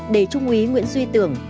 để trung úy nguyễn duy tưởng